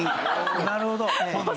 なるほど。